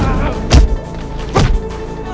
udah pak gausah pak